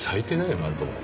今んとこ。